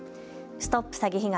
ＳＴＯＰ詐欺被害！